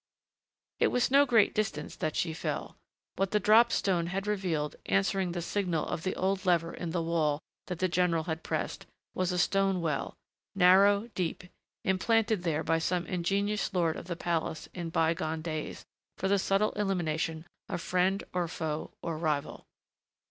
It was no great distance that she fell. What the dropped stone had revealed, answering the signal of the old lever in the wall that the general had pressed, was a stone well, narrow, deep, implanted there by some ingenious lord of the palace in by gone days, for the subtle elimination of friend or foe or rival.